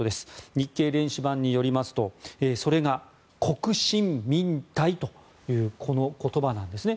日経電子版によりますとそれが国進民退というこの言葉なんですね。